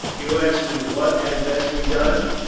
You ask me what had best be done.